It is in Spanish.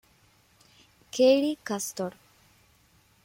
Kathy Castor